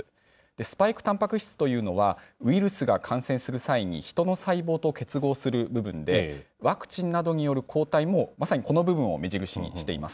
スパイクたんぱく質というのは、ウイルスが感染する際に、ヒトの細胞と結合する部分で、ワクチンなどによる抗体も、まさにこの部分を目印にしています。